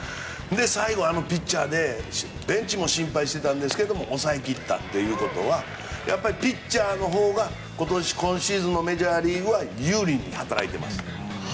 最後は、あのピッチャーでベンチも心配していたんですが抑えきったということはやっぱりピッチャーのほうが今シーズンのメジャーリーグは有利に働いています。